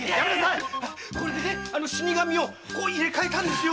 これでね死神をこう入れ代えたんですよ！